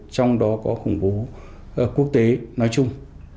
trong đó có khủng bố quốc tế nói chung